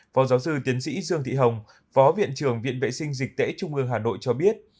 phó giáo sư tiến sĩ dương thị hồng phó viện trưởng viện vệ sinh dịch tễ trung ương hà nội cho biết